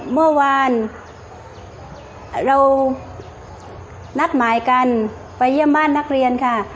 เมื่อวานเรานัดหมายกันไปเยี่ยมบ้านนักเรียนค่ะ